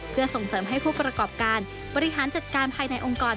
เพื่อส่งเสริมให้ผู้ประกอบการบริหารจัดการภายในองค์กร